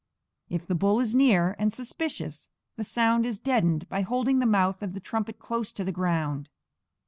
If the bull is near and suspicious, the sound is deadened by holding the mouth of the trumpet close to the ground.